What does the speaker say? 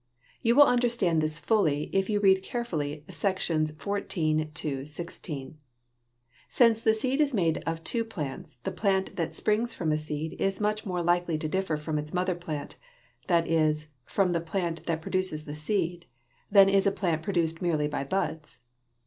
You will understand this fully if you read carefully Sections XIV XVI. Since the seed is made of two plants, the plant that springs from a seed is much more likely to differ from its mother plant, that is, from the plant that produces the seed, than is a plant produced merely by buds.